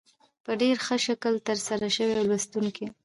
په ډېر ښه شکل تر سره شوې لوستونکي